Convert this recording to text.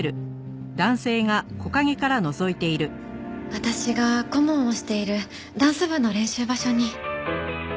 私が顧問をしているダンス部の練習場所に。